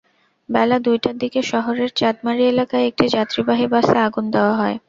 বেলা দুইটার দিকে শহরের চাঁদমারী এলাকায় একটি যাত্রীবাহী বাসে আগুন দেওয়া হয়।